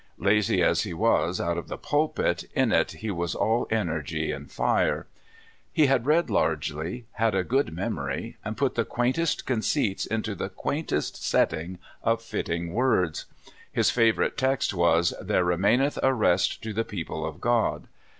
Lazy as he was out of the pulpit, in it he was all energy and fire. He had read largely, had a good memory, and put the quaintest conceits into the quaintest setting of fitting words. His favorite text was: ''There remaineth a rest to the people of God."